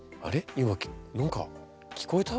今何か聞こえた？